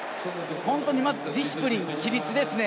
本当にまずディシプリン、規律ですね。